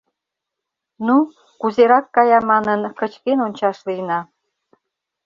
Ну, кузерак кая манын, кычкен ончаш лийна.